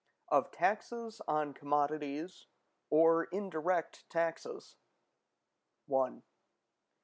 Of Taxes On Commodities, Or Indirect Taxes. § 1.